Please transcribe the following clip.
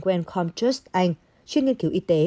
wellcome trust anh chuyên nghiên cứu y tế